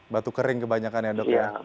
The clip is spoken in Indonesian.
batuk kering kebanyakan ya dok